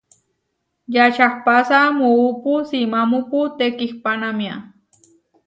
Yačahpása muúpu simámupu tekihpánamia.